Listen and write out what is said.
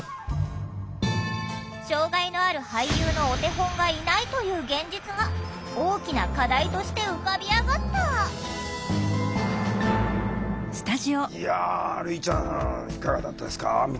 障害のある俳優のお手本がいないという現実が大きな課題として浮かび上がったいや類ちゃんいかがだったですか見てて。